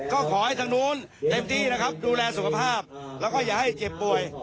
ก็ขอให้ทางนู้นเต็มที่นะครับดูแลสุขภาพแล้วก็อย่าให้เจ็บป่วย